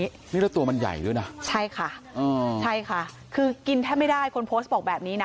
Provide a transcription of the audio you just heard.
นี่แล้วตัวมันใหญ่ด้วยนะใช่ค่ะใช่ค่ะคือกินแทบไม่ได้คนโพสต์บอกแบบนี้นะ